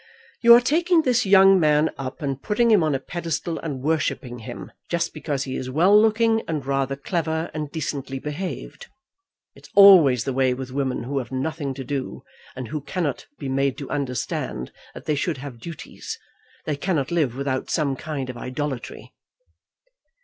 "You are taking this young man up and putting him on a pedestal and worshipping him, just because he is well looking, and rather clever and decently behaved. It's always the way with women who have nothing to do, and who cannot be made to understand that they should have duties. They cannot live without some kind of idolatry."